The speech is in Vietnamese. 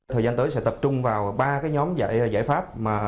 thời gian tới sẽ tập trung vào ba cái nhóm giải pháp